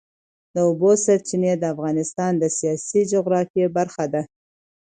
د اوبو سرچینې د افغانستان د سیاسي جغرافیه برخه ده.